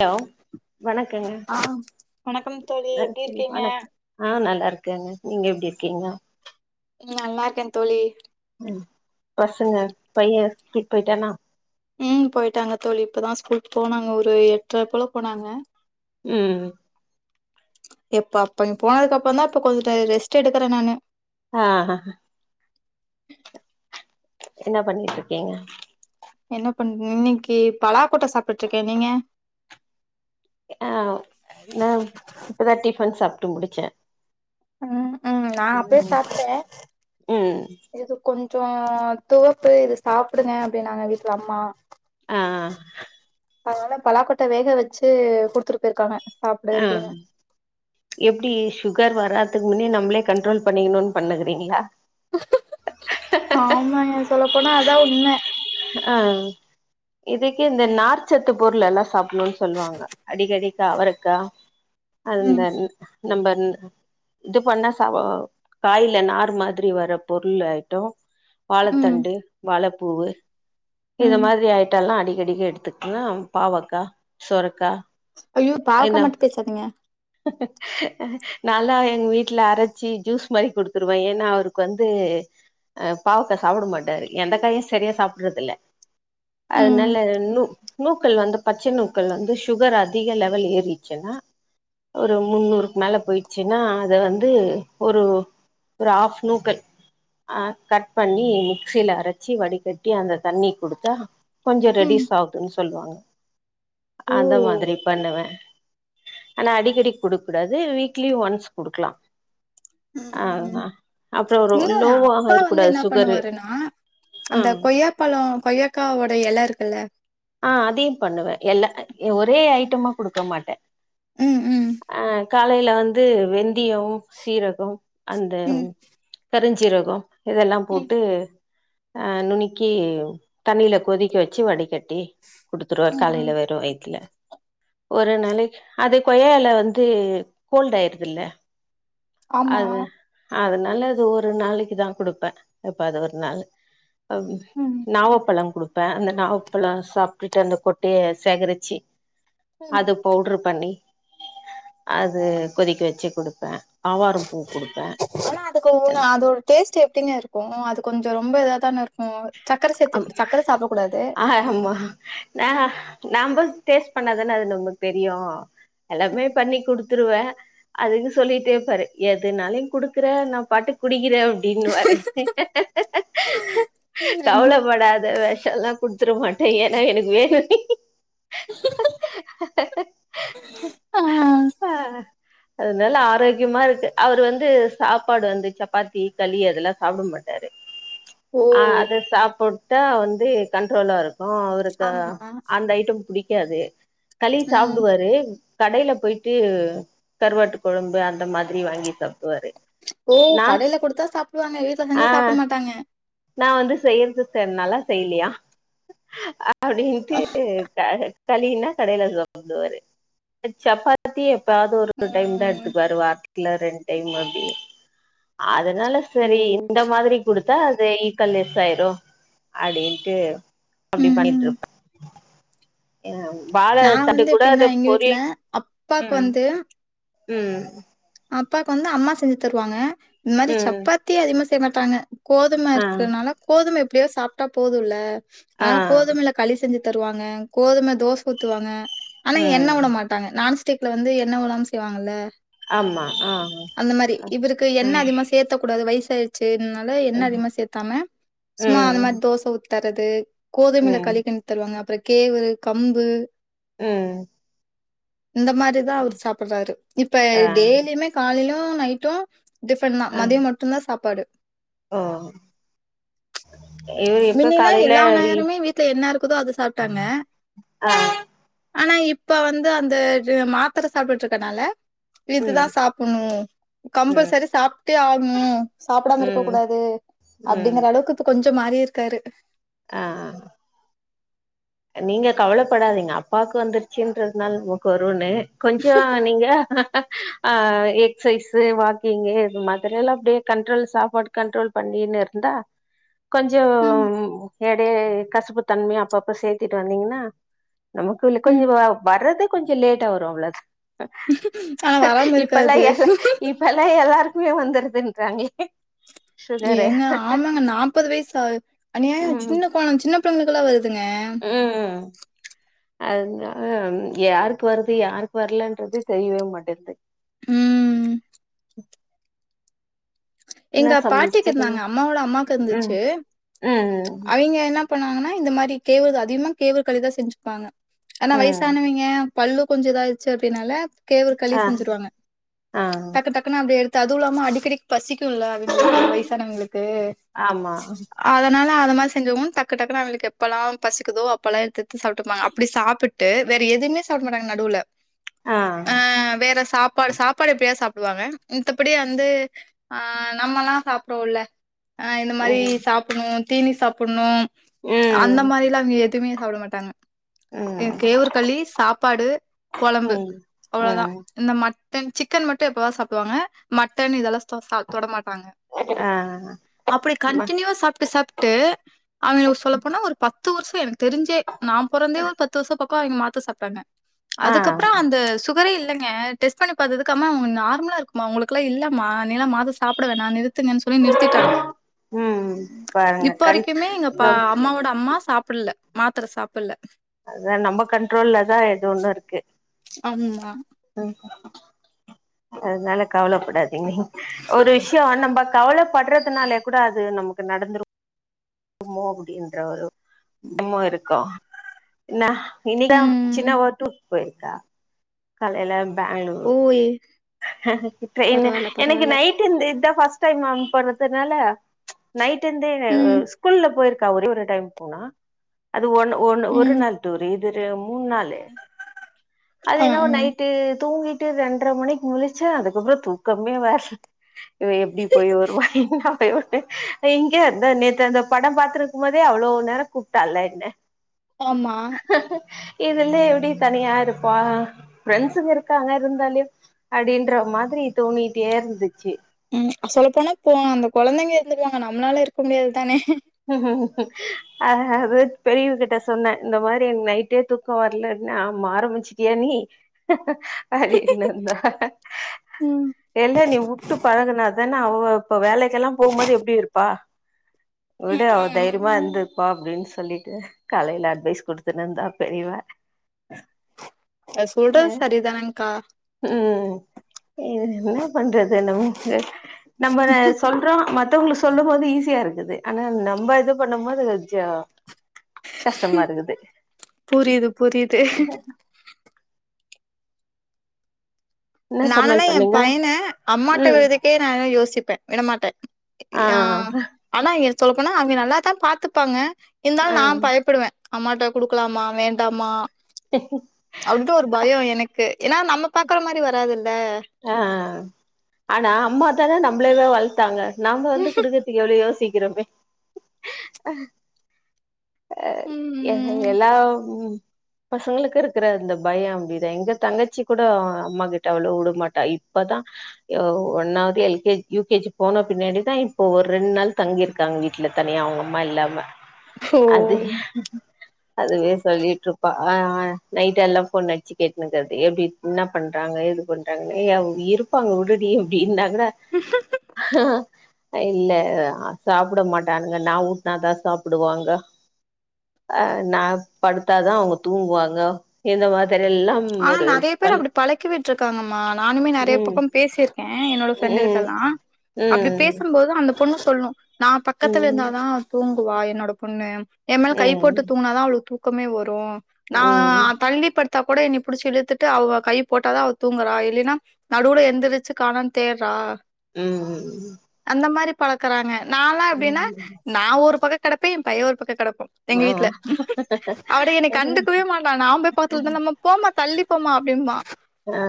Hello வணக்கங்க ஆ வணக்கம் தோழி எப்டி நன்றி இருக்கீங்க வணக்கொ அ நல்லாருக்கங்க நீங்க எப்டி இருக்கீங்க நல்லா ருக்கந் தோழி ம் பசங்க பைய ஸ்கூல் போய்ட்டானா ம் போயிட்டாங்க தோழி இப்பதா ஸ்கூலுக்கு போனாங்க ஒரு எட்ரப் போல போனாங்க ம் எப்போ அப்ப நீங்க போனதுக்கு அப்பம் தா இப்ப கொஞ்ச ரெஸ்ட் எடுக்கற நானு ஆ ஹஹ என்ன பண்ணிட்ருக்கீங்க என்ன பண் இன்னக்கி பலாக்கொட்ட சாப்ட்டுட்ருக்கெ நீங்க ஆ நா இப்பதா டிஃபன் சாப்ட்டு முடிச்செ ம் ம் நா அப்பயெ ம் சாப்ட்டே ம் இது கொஞ்சோ துவப்பு இது சாப்டுங்க அப்டின்னாங்க வீட்ல அம்மா ஆ அதனால பலாக்கொட்ட வேக வச்சு குடுத்துட்டு போயிருக்காங்க சாப்டு ஆ அப்டின்னு எப்டி சுகர் வராதுக்கு முன்னே நம்மளே கண்ட்ரோல் பண்ணிக்கணும்னு பண்ணுக்கிறீங்ளா ஆமாங்க சொல்லப்போனா அதா உண்ம ஆ இதுக்கு இந்த நார்ச்சத்து பொருள் எல்லா சாப் புனு சொல்வாங்க அடிக்கடிக்கு அவரக்கா அது ம் நம்ம இது பண்ண ச காய்ல நார் மாதிரி வர பொருள் ஆயிட்டொ ம் வாழத்தண்டு வாழப்பூவு இத ம் மாதிரி ஆயிட்டால்லா அடிக்கடிக்க எடுத்துக்கல பாவக்கா சொரக்கா ஐயோ பாவக்கா மட்டு பேசாதீங்க நல்லா எங்க வீட்ல அரச்சி ஜூஸ் மாரி குடுத்துருவ ஏன்னா அவருக்கு வந்து அ பாவக்க சாப்ட மாட்டாரு எந்த காயு சரியா சாப்புட்றதில்ல ம் அதனால இன்னு நூக்கல் வந்து பச்ச நூக்கல் வந்து சுகர் அதிக லெவல் ஏறிச்சுன்னா ஒரு முன்னூறுக்கு மேல போயிச்சுன்னா அத வந்து ஒரு ஒரு ஆஃப் நூக்கல் ஆ கட் பண்ணி மிக்சில அரச்சி வடிக்கட் கட்டி அந்த தண்ணி குடுத்தா கொஞ்சம் ம் ரெடிஸ் ஆகுன்னு சொல்வாங்க ஓ அந்த மாதிரி பண்ணுவே ஆனா அடிக்கடி குடுக்க கூடாது வீக்லி ஒன்ஸ் குடுக்கலா ம் ஆ ம் அப்றோ ஒரு இல்ல லோவ ஆ அப்பா இருக்க வந்து கூடாது என்ன சுகரு பண்ணுவாருன்னா ஆ அந்த கொய்யாப்பழோ கொய்யாக்காவோட எல இருக்குல்ல ஆ அதையு பண்ணுவே எல்லா ஒரே ஐட்டமா குடுக்க மாட்டே ம் ம் ஆ காலேல வந்து வெந்தியம் சீரகம் அந்த ம் கருஞ்சீரகோ இதல்லா ம் போட்டு அ நுணுக்கி தண்ணில கொதிக்க வச்சு வடிக்கட்டி குடுத்துருவ ம் ம் காலில வெரும் வயித்துல ஒரு நாளைக்கு அது கொய்யா எல வந்து கோல்ட் ஆயிருதுல்ல ஆமா அது அதனால அது ஒரு நாளைக்கு தா குடுப்பே எப்பாது ஒரு நாள் ம் நாவப்பழம் குடுப்பே அந்த நாவப்பழம் சாப்ட்டுட்டு அந்த கொட்டைய சேகரிச்சு ம் அத பவுட்ரு பண்ணி அது கொதிக்க வச்சு குடுப்பே ஆவாரம் பூ குடுப்பே ஆனா அதுக்கு னு அதோட டேஸ்ட் எப்டிங்க இருக்கு அது கொஞ்ச ரொம்ப இத தானே இருக்கு சக்கர சேத்து அம் சக்கர சாப்டக் கூடாது ஆ ஆமா ந நாமள் டேஸ்ட் பண்ணாதானே அது நமக்கு தெரியு எல்லாமே பண்ணி குடுத்து ருவ அதுக்கு சொல்லிட்டே இருப்பாரு எதுனாலு குடுக்கற நா பாட்டு குடிக்கற அப்படின்வாரு ம் கவலப்படாத வெஷல்லா குடுத்ற மாட்ட ஏன்னா எனக்கு வேனு நீ ஆ ஆ நல்ல ஆரோக்கியமா இருக்கு அவர் வந்து சாப்பாடு வந்து சப்பாத்தி களி அதல்லா சாப்ட மாட்டாரு ஓ ஆ அது சாப்புட்டா வந்து கண்ட்ரோலா இருக்கும் அவருக்கு ஆமா அந்த ஐட்டம் பிடிக் புடிக்காது களி ம் சாப்டுவாரு கடைல போயிட்டு கருவாட்டு கொழம்பு அந்த மாரி வாங்கி சாப்டுவாரு ஓ நான் கடைல குடுத்தா சாப்டுாங்க வீட்ல செஞ்சு ஆ சாப்ட மாட்டாங்க நா வந்து செய்றது ச நல்லா செய்லயா அப்டின்ட்டு டாரு களின்னா கடைல சாப்டுவாரு சப்பாத்தி பத்தி எப்பாவது ஒரு டைம் தா ம் எடுத்துக்குவாரு வார்த்ல ரெண்டு டைம் அப்டி அதா அதனால சரி ஓ இந்த மாரி குடுத்தா அது ஈக்கலைஸ் ஆயிரும் அப்டின்ட்டு ம், அப்டி ம். பண்ணிட்டுருப்பா வாழ நான் தண்டு வந்து கூட எப்டின்னா, அது எங்க வீட்ல பொரியில் அப்பாக்கு ம் ம் அப்பாவுக்கு வந்து அம்மா செஞ்சு தருவாங்க இந்த மாரி ம் சப்பாத்தி அதிகமா செய்ய மாட்டாங்க கோதும ஆ இருக்கறனால கோதும எப்டிய சாப்ட்டா போதும்ல்ல ஆ ஆனா களி செஞ்சு தருவாங்க கோதும தோசை ஊத்துவாங்க ஆனா என்ன ம் விட மாட்டாங்க நான் சி ஸ்டிக்ல வந்து என்ன விடாமா செய்வாங்கல்ல ஆமா ஆ அந்த மாரி ஆ இவருக்கு எண்ண ம் அதிகமா சேத்தக் கூடாது வயசு சேய்றனால எண்ண அதிகமா சேத்தாம சும்மா அது ம் மாரி தோச ஊத்தி தர்றது கோதுமல ம் களி கிண்டி தருவாங்க அப்றம் கேவு கம்பு அ இந்த மாரிதா அவரு சாப்பிடுறாரு இப்ப ஆ எப்பயுமே காலையிலயு நைட்டு டிஃபன் தா ஆ மதியம் மட்டுந்தா சாப்பாடு ஓ இவரு எப்ப மின்னில்லா காலையில எல்லா நேரமு வீட்ல என்ன இருக்குதோ அத சாப்ட்டாங்க ஆ ஆனா இப்ப வந்து அந்த இது மாத்தர சாப்ட்டுட்டு இருக்கிறனால ம் இதுதா சாப்புணு ம் கம்பல்சரி சாப்ட்டே ஆகனு சாப்டாம இருக்க ம் கூடாது ம் அப்டிங்கிற அளவுக்கு கொஞ்சோ மாறி இருக்காரு ஆ ஆ நீங்க கவலப்படாதீங்க அப்பாவுக்கு வந்துருச்சுன்றதுனால நமக்கு வருன்னு கொஞ்சோ நீங்க ஆ எக்ஸசைஸ் வாக்கிங்கு இது மாதிரி எல்லா அப்டியே கண்ட்ரோல் சாப்பாடு கண்ட்ரோல் பண்ணினு இருந்தா கொஞ்சம் ம். இடைய கசுப்பு தன்மை அப்பப்ப சேர்த்திட்டு வந்தீங்கன்னா நமக்கு இன்னு கொஞ்ச ம். வ வர்றது கொஞ்ச லேட்டா வரு அவ்ளதா ஆனா வராம இப்பல்லா இருக்காது. எ இப்பல்லா எல்லாருக்குமே வந்துருதுன்றாங்களே சுகரு ஏங்க ஆமாங்க நாப்பது வயசா அனியாய ம் சின்ன கொழ சின்ன பிள்ளைங்களுக்கெல்லா வருதுங்க ம் அதுனால யாருக்கு வருது யாருக்கு வரலன்றதே தெரியவே மாட்டிது ம் என்ன எங்க பாட்டிக்கு சமச்சிங்க இருந்தாங்க. அம்மாவோட ம் ம் ம் இவுங்க என்ன பண்ணுவாங்கனா இந்த மாரி கேவ்று தா அதிகமா கேவ்று களிதா செஞ்சுப்பாங்க ஆனா ம் வயசானவிங்க பல்லு கொஞ்ச இதாயிருச்சு அப்டின்னால கேவ்று களி ஆ செஞ்சுருவாங்க ஆ டக்கு டக் கினு அப்டி எடுத்து அதுவு இல்லாம அடிக்கடிக்கு பசிக்குல்ல அவிங்களுக்கு வயசானவங்களுக்கு ஆமா அதனால அத மாரி செஞ்சுருவு டக்கு டக்குனு அவுங்களுக்கு எப்பெல்லா பசிக்குதோ அப்பல்லா எடுத்து எடுத்து சாப்ட்டுப்பாங்க அப்டி சாப்பிட் ட்டு வேற எதுவுமே சாப்பிட மாட்டாங்க நடுவுல ஆ வேற சாப் ப்பாடு சாப்பாடு எப்டியா சாப்டுவாங்க மித்தபடி வந்து ஆ நம்மல்லா சாப்புறோல்ல ஆ இந்த மாரி ம் சாப்புணு தீனி சாப்புணு அந்த ம் மாரியிலா இவுங்க எதுவுமே சாப்பிட மாட்டாங்க எ ம் கேவுரு களி சாப்பாடு கொழம்பு ம் அவ்வளதா ம் இந்த மா மட்டன் சிக்கன் மட்டும் எப்பவா சாப்டுவாங்க மட்டன் இதெல்லா தொட மாட்டாங்க ஆ அப்டி ம- கண்டினியூவா சாப்ட்டு சாப் ட்டு அவுங்க சொல்ல போனா ஒரு பத்து வருஷ எனக்கு தெரிஞ்சே நா பொறந்தே ஒரு பத்து வருஷ எங்க மாத்த சாப்ட்டாங்க ஆ அதுக்கப்புறோ அந்த சு சுகரே இல்லங்க டெஸ்ட் பண்ணி பாத்ததுக்கு அம்மா உன் நார்மலா இருக்குமா உங்களுக்குலா இல்லமா நீலா மாத்தர சாப்ட வேணா நிறுத்துங்கன் சொல்லி நிறுத்திட்டாங்க ம் பாருங்க இப்ப கண் வரைக்குமே எங்க பா நம் அம்மாவோட அம்மா சாப்பில்ல மாத்தர சாப்புல்ல அதா நம்ம கண்ட்ரோல்ல தா எது ஒண்ணு இருக்கு ஆம்மா அதனால கவலைப்படாதீங்க ஒரு விஷயோ நம்ப கவலப்படுறதுனாலே கூட அது நமக்கு நடத்துரு மோ அப்டின்ற ஒரு என்னமு இருக்கு என்ன இனிதா ம் சின்னவ டூர்க்கு பொயிருக்கா காலையில பெங்களூர் ஓய் ட்ரெயின்னு பரவால்ல எனக்கு பரவால்ல நைட்டு இத்த இத ஃபஸ்ட் டைம் போறதுனால நைட் டுருந்தே ம் ஸ்கூல்ல பொயிருக்கா ஒரே ஒரு டைம் போனா அது ஒன் ஒரு ஒரு ம் நாள் துறிதுறு மூன் நாலு அது ஆ என்னவோ ம் நைட்டு தூங்கிட்டு ரெண்ட்ர மணிக்கு முலிச்சே அதுக்கப்றோ தூக்கமே வரல இவ எப்டி போய் வருவா என்ன போய் வரு இங்க இருந்த நேத்து அந்த படோ பாத்து இருக்கு போதே அவ்ளோ நேரோ கூப்ட்டால என்ன ஆமா இதுலே எப்டி தனியா இருப்பா ஃப்ரெண்ட்ஸுங்க இருக்காங்க இருந்தாலு அப்டின்ற மாதிரி தோணிட்டே இருந்துச்சு ம் சொல்ல போனா போ அந்த கொழந்தைங்க இருந்துபாங்க நம்ளால இருக்க முடியாது தானே அது பெரியவ கிட்ட சொன்ன இந்த மாரி எனக்கு நைட்டே தூ க்கோ வர்லனு ஆமா ஆரம்பிச்சிட்டியா நீ அது என்னந்தா ம் இல்ல நீ உட்டு பலகுனாதான அவ இப்ப வேலைக்கெல்லாமக்ஷ போம்போது எப்டி இருப்பா விட ம் அவ ம் ம் தைரியமா இருந்துப்பா அப்டின் சொல்லிட்டு காலயில அட்வைஸ் குடுத்துனுந்தா பெரியவ சொல்றது சரிதானேக்கா ம் என்ன பண்றது நம்ம நம்ம சொல் றோ மத்தவங்க சொல்லும்போது ஈஸியா இருக்குது ஆனா நம்ம இது பண்ணும்போது கொஞ்சோ கஷ்டமா இருக்குது புரியுது புரியுது என்ன நானல்லா சமையல் எ பண்ணீங்க பையன அம்மாட்ட ம் விட்ரதுக்கே கே நாளா யோசிப்பே விடமாட்டே ஆ அ ஆனா இங்க சொல்லபோனா அவுங்க நல்லாதா பாத்துப்பாங்க இருதாலு ஆ நா பயப்புடுவே அம்மாட்டா குடுக்கலாமா வேண்டாமா அவுங்கள்ட ஒரு பயோ எனக்கு ஏன்னா நம்ம பாக்குற மாரி வராதுல்ல அ ஆனா அம்மா தானே நம்ளவே வளத்தாங்க நாம வந்து குடுக்ற்துக்கு எப்டி யோசிக்கிறோமே அ ம் ம் எல்லாம் பசங்களுக்கு இருக்குற அந்த பயோ அப்டிதா எங்க தங்கச்சி கூட அம்மா கிட்ட அவ்ளோவா வுடமாட் ட்டா இப்பதா ஒன்னாவ்து L K G U KG போன பின்னாடிதா இப்போ ஒரு ரெண்நாள் தங்கிருக் இருக்காங்க வீட்ல தனியா அவுங்க அம்மா இல்லாம அது ஓ அதுவே சொல்லிட்ருப்பா அ நைட் எல்லா ஃபோன் அடிச்சு கேட்டுனுங்க்றது எப்டி என்ன பண்றாங்க ஏது பண்றா ங்க இருப்பாங்க உடுடி அப்டின்னா கூட அ இல்ல சாப்டமாட்டானுங்க நா ஊட்னாதா சாப்டுவாங்க அ நா படுத்தாதா அவுங்க தூங்குவாங்க இந்த மாதிரி எல்லா ஆனா நறைய பேர் அப்டி பழக்கி விட்ருக்காங்க ஆமா நானுமே நறைய ம் பக்கோ பேசிருக்கே என்னோட ஃரெண்டு கிட்ட ம் எல்லா அப்படி ம் பேசும்போது அந்த பொண்ணு சொல்லும் நா ம் பக்கத்துல ம் இருந்தாதா தூங்குவா என்னோட பொண்ணு எ மேல் கை போட்டு தூங்துனாதா அவளுக்கு தூக்கமே வரு நா ம் தள்ளி படுத்தா கூட எ ன்னைய புடிச்சி இழுத்துட்டு அவ கை போட்டாதா அவ தூங்குறா இல்லைனா நடுவுல எந்திரிச்சு காணோன்னு தேடுறா ம் ம் அந்த மாரி பழக்குறாங்க நாலா எப்டின்னா நா ஒரு பக்கோ கெடப்பே எ பைய ஒரு பக்கோ கெடக்கு எங்க ஆ வீட்ல அவட என்ன கண்டுக்கவே மாட்ட நா போய் பக்கத்துல இருந்தாலு நம்ம போமா தள்ளி போமா அப்டிம்பா ஆ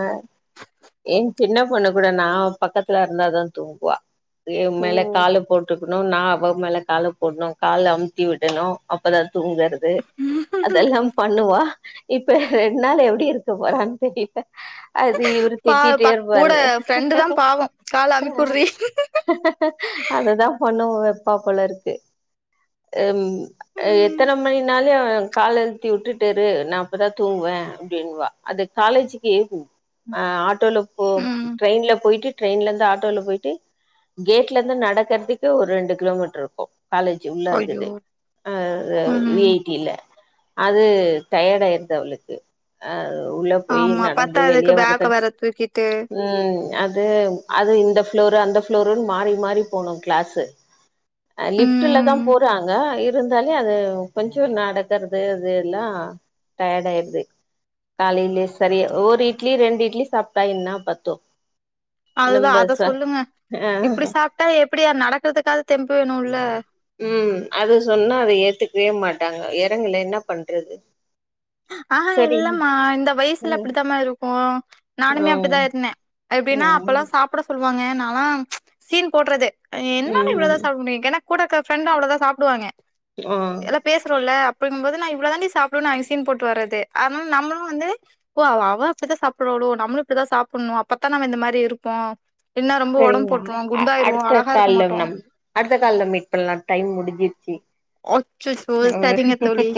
எ சின்ன பொண்ணு கூட நா பக்கத்துல இருந்தாதா தூங்குவா அப்டியே மேல ம் கால போட்டுக்குணு நா அவ மேல மேல கால போட்ணு கால அமுத்தி விடணு அப்பதா தூங்குறது அதெல்லா பண்ணுவா இப்ப ரெண்டு நாள் எப்டி இருக்க போறான் தெரில அது இவ்ரு பா திட்டிட்டே ப கூட இருப்பாரு ஃப்ரெண்டு தா பாவோ கால அமிக்குட்றி அததா பண்ணு வெப்பா போல இருக்கு ம் அ எத்தன ம் மணினாலு கால அழுத்தி விட்டுட்டுரு நா அப்பதா தூங்குவே அப்டின்னுவா அது காலேஜிக் கி ஆ ஆட்டோல போ ட்ரெயின்ல போய்ட்டு ட்ரெயின்ல இருந்து ஆட்டோல போயிட்டு கேட்ல இருந்து நடக்கிறதுக்கு ஒரு ரெண்டு கிலோமீட்டர் இருக்கு காலேஜ் உள்ள ஐயோ இருக்குது அ அ வி ம் ஐ டில அது டயர்ட் ஆயிருது அவளுக்கு அ உள்ள போய் ஆமா நட ந்து அது பத்தாததுக்கு வெளிய வர்றது பேக்க வேற தூக்கிட்டு ம் அது அது இந்த ஃப்ளோரு அந்த ஃப்ளோருன் மாறி மாறி போணு கிளாஸு அ லிஃப்ட்லதா ம் போறாங்க இரு இருந்தால்யோ அது கொஞ்சோ நடக்குறது அது எல்லா டயர்ட் ஆயுருது காலைலே சரி ஒரு இட்லி ரெண்டு இட்லி சாப்ட்டா என்னா பத்து அதுதா நம்ப அத ச சொல்லுங்க ஆ இப்டி சாப்ட்டா எப்டி நடக்கறதுக்காது தெம்பு வேணுல்ல ம் அது சொன்னா அது ஏத்துக்கவே மாட்டாங்க எறங்கலே என்ன பண்றது ஆஹா சரிங்க இல்லமா இந்த வயசுல ம் இப்டித்தாமா இருக்கு நானுமே ம் அப்டிதா இருந்தே எப்டின்னா அப்பெல்லா ம் சாப் புட சொல்வாங்க நாலா சீன் போட்றது என்னால இவ்ளதா ம் சாப்ட முடியு கேன்னா கூட இக்க ஃப்ரண்டு அவ்ளதா சாப்டுவாங்க ஓ பேசுறோல அப்டிங்கும்போது நா இவ்ளோ தாண்டி சாப்டுவே அங்க சீன் போட்டு வர்றது அனால நம்மளு வந்து ஓ அவ அவ அப்டிதா சாப்பிட்றாளோ நம்ளு இப்டிதா சாப்பிட்ணு அப்பத்தா நம்ம இந்த மாரி இருப்போ இல்லன்னா ரொம்ப உடம்பு சரிங்கா போட்டுருவோ அ குண்டாயிருவோ அடுத்த அழகா இருக்க கால்ல மாட்டோ நம் அடுத்த கால்ல மீட் பண்லா டைம் முடிஞ்சிருச்சி அச்சச்சோ சரிங்க தோழி